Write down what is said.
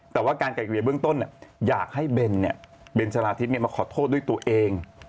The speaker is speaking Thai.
แต่ว่าการไกลเกลียบเบื้องต้นเนี่ยอยากให้เบนเนี่ยเบนสนาทิศเนี่ยมาขอโทษด้วยตัวเอง